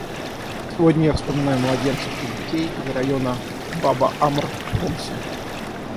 Сегодня я вспоминаю младенцев и детей из района Баба-Амр в Хомсе.